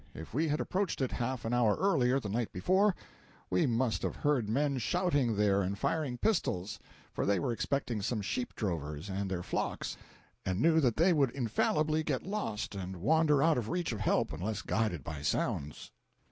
If we had approached it half an hour earlier the night before, we must have heard men shouting there and firing pistols; for they were expecting some sheep drovers and their flocks and knew that they would infallibly get lost and wander out of reach of help unless guided by sounds.